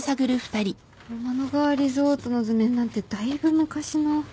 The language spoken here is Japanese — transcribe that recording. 天の川リゾートの図面なんてだいぶ昔の。